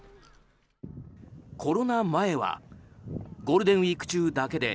コロナ前はゴールデンウィーク中だけで